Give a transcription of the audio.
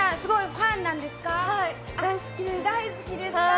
大好きです！